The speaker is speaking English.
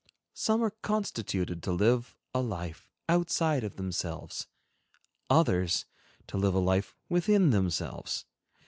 Some are constituted to live a life outside of themselves, others, to live a life within themselves.